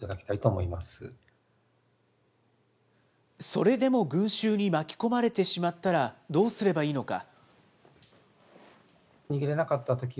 それでも群集に巻き込まれてしまったら、どうすればいいのか。